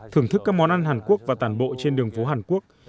thưởng thức các món ăn hàn quốc và tàn bộ trên đường phố hàn quốc